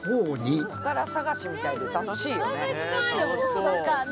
宝探しみたいで楽しいよね。